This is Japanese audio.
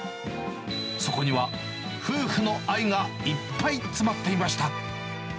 そこには夫婦の愛がいっぱい詰まっていました。